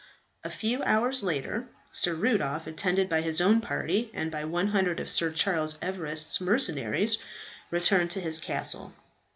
A few hours later Sir Rudolph, attended by his own party and by 100 of Sir Charles Everest's mercenaries, returned to his castle.